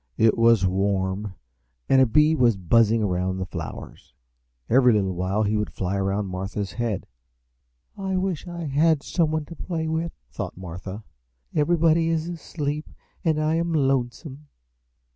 It was warm and a bee was buzzing around the flowers. Every little while he would fly around Martha's head. "I wish I had someone to play with," thought Martha. "Everybody is asleep and I am lonesome."